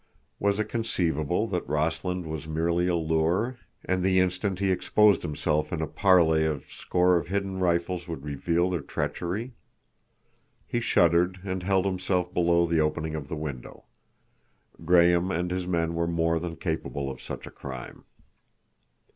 Was it conceivable that Rossland was merely a lure, and the instant he exposed himself in a parley a score of hidden rifles would reveal their treachery? He shuddered and held himself below the opening of the window. Graham and his men were more than capable of such a crime.